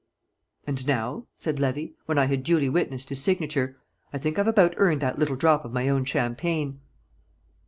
"And now," said Levy, when I had duly witnessed his signature, "I think I've about earned that little drop of my own champagne."